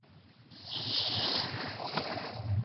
ملت چې بری وموند، شرقي ملت وو.